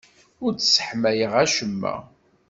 Ur d-sseḥmayeɣ acemma.